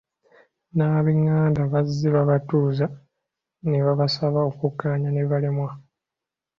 N'abenganda bazze babatuuza ne babasaba okukkaanya ne balemwa.